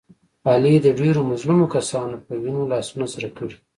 علي د ډېرو مظلومو کسانو په وینو لاسونه سره کړي.